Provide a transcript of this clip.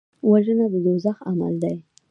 وژنه د دوزخ عمل دی